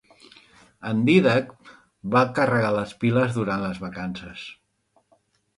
El Dídac va carregar les piles durant les vacances.